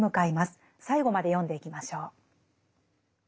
最後まで読んでいきましょう。